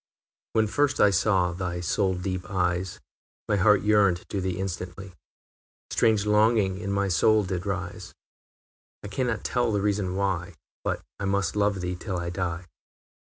I. When first I saw thy soul deep eyes, My heart yearned to thee instantly, Strange longing in my soul did rise; I cannot tell the reason why, But I must love thee till I die.